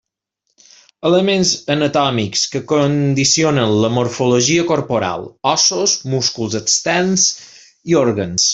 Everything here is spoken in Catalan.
Elements anatòmics que condicionen la morfologia corporal: ossos, músculs externs i òrgans.